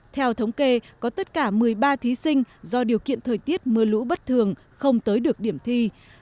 theo thống kê có tất cả một mươi ba thí sinh do điều kiện thời tiết mưa lũ bất thường không tới được điểm thi